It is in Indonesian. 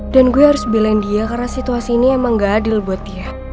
gue harus belain dia karena situasi ini emang gak adil buat dia